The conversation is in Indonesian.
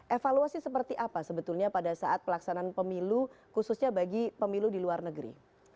evaluasi seperti apa sebetulnya pada saat pelaksanaan pemilu khususnya bagi pemilu di luar negeri